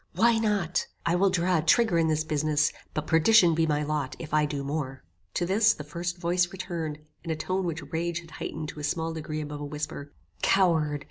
"Why not? I will draw a trigger in this business, but perdition be my lot if I do more." To this, the first voice returned, in a tone which rage had heightened in a small degree above a whisper, "Coward!